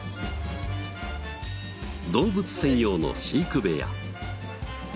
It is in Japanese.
動物専用の飼育部屋。